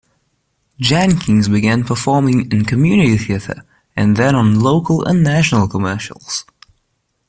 Jenkins began performing in community theatre, and then on local and national commercials.